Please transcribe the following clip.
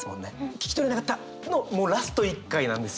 聞き取れなかった！のもうラスト一回なんですよね。